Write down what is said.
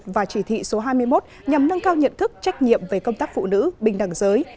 và chỉ thị số hai mươi một nhằm nâng cao nhận thức trách nhiệm về công tác phụ nữ bình đẳng giới